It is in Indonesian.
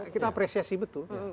kita apresiasi betul